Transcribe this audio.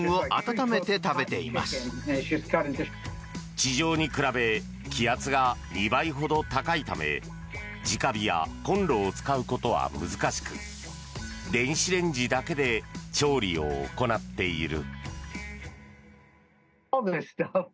地上に比べ気圧が２倍ほど高いため直火やコンロを使うことは難しく電子レンジだけで調理を行っている。